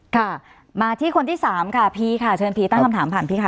ค่ะมาที่คนที่สามค่ะพีค่ะเชิญพีตั้งคำถามผ่านพีค่ะ